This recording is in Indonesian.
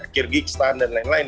kyrgyzstan dan lain lain